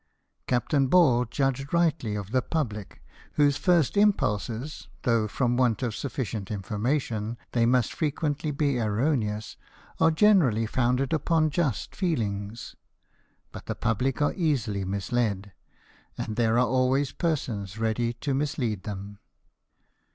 Captain Ball judged rightly of the public, whose first impulses — though from want of sufficient mformation they must frequently be erroneous — are generally founded upon just feelings. But the public are easily misled, and there are always persons ready to mislead them.